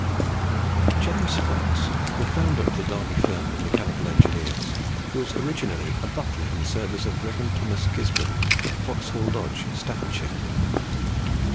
James Fox, the founder of the Derby firm of mechanical engineers, was originally a butler in the service of the Rev. Thomas Gisborne, of Foxhall Lodge, Staffordshire.